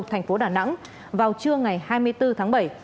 thành phố đà nẵng vào trưa ngày hai mươi bốn tháng bảy